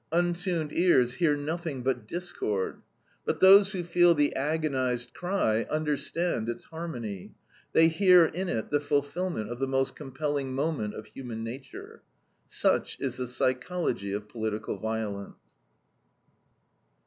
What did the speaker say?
Untuned ears hear nothing but discord. But those who feel the agonized cry understand its harmony; they hear in it the fulfillment of the most compelling moment of human nature. Such is the psychology of political violence.